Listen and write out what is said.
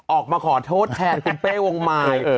ออกมาขอโทษแทนคุณเป้วงมาย